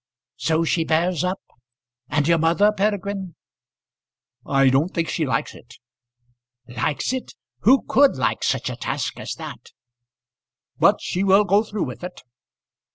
So she bears up? And your mother, Peregrine?" "I don't think she likes it." "Likes it! Who could like such a task as that?" "But she will go through with it."